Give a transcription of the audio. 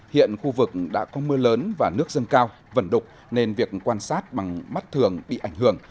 hiện khu vực đã có mưa lớn và nước dâng cao vẩn đục nên việc quan sát bằng mắt thường bị ảnh hưởng